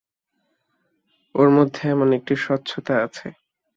ওঁর মধ্যে এমন একটি স্বচ্ছতা আছে!